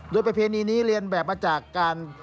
โดยประเพณีนี้เรียนแบบมาจากการ